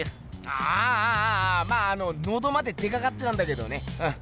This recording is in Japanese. あぁあああまああののどまで出かかってたんだけどねうん。